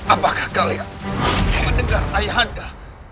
apakah kalian mendengar ayah anda